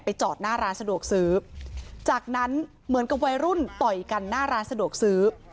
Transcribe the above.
จอดหน้าร้านสะดวกซื้อจากนั้นเหมือนกับวัยรุ่นต่อยกันหน้าร้านสะดวกซื้อ